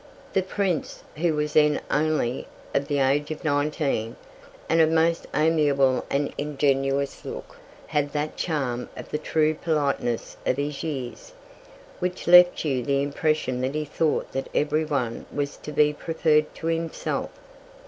The Prince, who was then only of the age of nineteen, and of most amiable and ingenuous look, had that charm of the true politeness of his years, which left you the impression that he thought that everyone was to be preferred to himself.